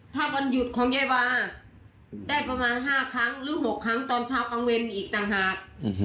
ถ้าวันหยุดของยายวาได้ประมาณ๕ครั้งหรือ๖ครั้งตอนเช้ากลางเวรอีกต่างหาก